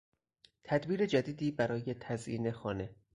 تدبیر جدیدی برای تزیین خانه